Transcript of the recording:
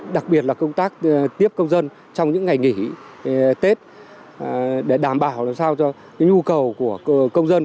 đặc biệt là công tác tiếp công dân trong những ngày nghỉ tết để đảm bảo làm sao cho nhu cầu của công dân